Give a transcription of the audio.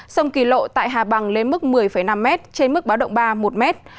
sông kỳ lộ tại hà bằng lên mức một mươi năm mét trên mức báo động ba một mét